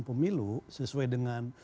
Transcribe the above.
pemilu sesuai dengan